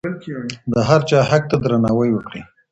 د هر چا حق ته درناوی وکړئ.